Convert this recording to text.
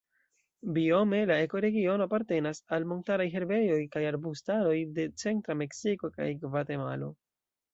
Biome la ekoregiono apartenas al montaraj herbejoj kaj arbustaroj de centra Meksiko kaj Gvatemalo.